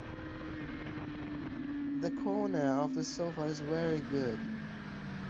The corner of the sofa is very good.